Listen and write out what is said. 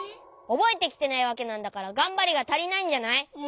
おぼえてきてないわけなんだからがんばりがたりないんじゃない？